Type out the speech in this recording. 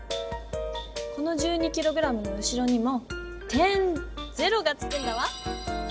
この１２ｋｇの後ろにも「点０」がつくんだわ。